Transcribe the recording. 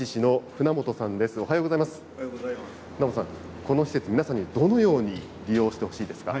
船本さん、この施設、皆さんにどのように利用してほしいですか。